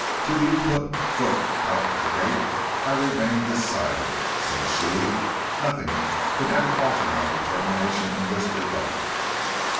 "Till you put foot out of the gate I remain this side of it," said she. "Nothing can ever alter my determination in this regard."